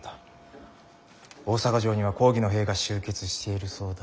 大坂城には公儀の兵が集結しているそうだ。